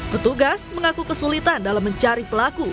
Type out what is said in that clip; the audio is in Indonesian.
petugas mengaku kesulitan dalam mencari pelaku